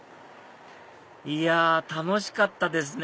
いや楽しかったですね